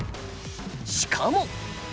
しかも！